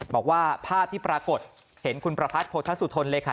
บอกว่าภาพที่ปรากฏเห็นคุณประพัทธสุธนเลยค่ะ